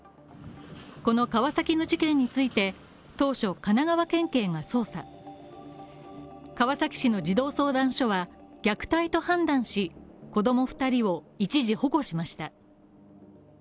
この川崎の事件について、当初神奈川県警が捜査川崎市の児童相談所は虐待と判断し、子供２人を一時保護しました。